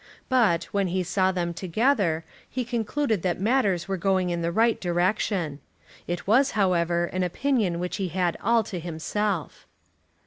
But, when he saw them together, he concluded that matters were going in the right direction. It was, however, an opinion which he had all to himself.